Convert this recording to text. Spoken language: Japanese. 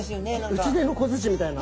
打ち出の小づちみたいな。